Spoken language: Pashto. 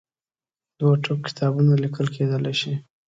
دوې ټوکه لوی کتابونه لیکل کېدلای شي.